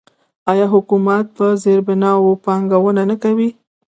آیا حکومت په زیربناوو پانګونه نه کوي؟